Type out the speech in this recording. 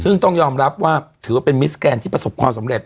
ซึ่งต้องยอมรับว่าถือว่าเป็นมิสแกนที่ประสบความสำเร็จ